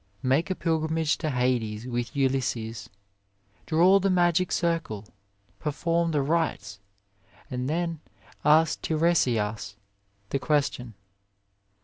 Make a pilgrimage to Hades with Ulysses, draw the magic circle, perform the rites, and then ask Tiresias the ques tion.